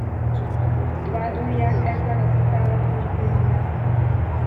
Most pont őt vádolják ezzel az utálatos bűnnel.